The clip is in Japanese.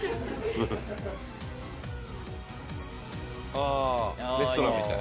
「」ああレストランみたい。